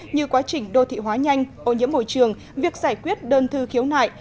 như quá trình đô thị hóa nhanh ô nhiễm môi trường việc giải quyết đơn thư khiếu nại